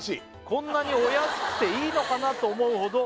「こんなにお安くていいのかなと思うほど」